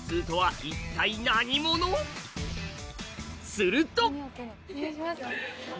すると！